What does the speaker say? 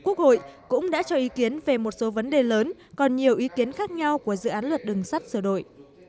quốc hội cũng đã cho ý kiến về một số vấn đề lớn còn nhiều ý kiến khác nhau của dự án luật đường sắt sửa đổi